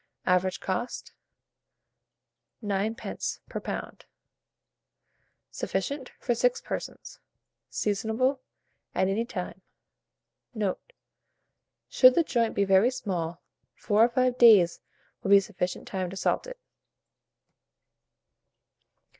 Average cost, 9d. per lb. Sufficient for 6 persons. Seasonable at any time. Note. Should the joint be very small, 4 or 5 days will be sufficient time to salt it.